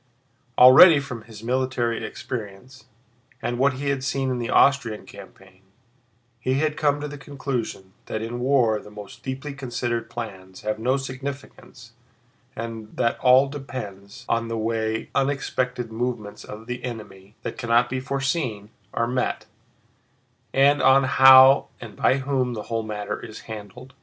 Already from his military experience and what he had seen in the Austrian campaign, he had come to the conclusion that in war the most deeply considered plans have no significance and that all depends on the way unexpected movements of the enemy—that cannot be foreseen—are met, and on how and by whom the whole matter is handled.